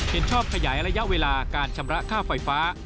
เห็นชอบขยายระยะเวลาการชำระค่าไฟฟ้า